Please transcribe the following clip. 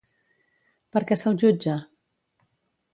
Per què se'l jutja?